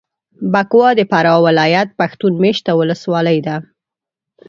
بکوا د فراه ولایت پښتون مېشته ولسوالي ده.